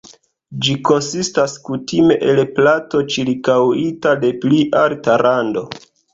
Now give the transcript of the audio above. Ĝi konsistas kutime el plato ĉirkaŭita de pli alta rando.